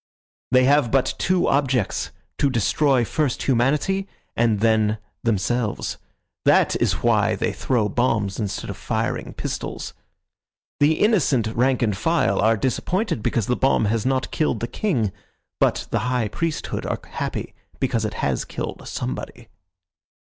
"They have but two objects, to destroy first humanity and then themselves. That is why they throw bombs instead of firing pistols. The innocent rank and file are disappointed because the bomb has not killed the king; but the high priesthood are happy because it has killed somebody."